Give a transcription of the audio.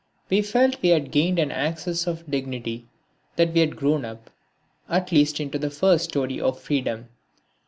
We felt we had gained an access of dignity, that we had grown up at least into the first storey of freedom.